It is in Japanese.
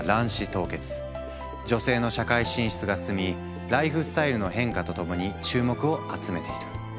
女性の社会進出が進みライフスタイルの変化とともに注目を集めている。